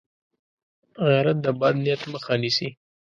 غیرت د بد نیت مخه نیسي